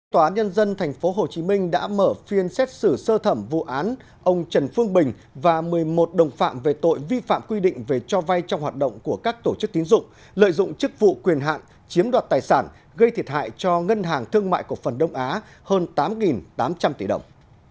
tòa án nhân dân tp hcm đã mở phiên xét xử sơ thẩm vụ án ông trần phương bình và một mươi một đồng phạm về tội vi phạm quy định về cho vay trong hoạt động của các tổ chức tín dụng lợi dụng chức vụ quyền hạn chiếm đoạt tài sản gây thiệt hại cho ngân hàng thương mại cộng phần đông á hơn tám tám trăm linh tỷ đồng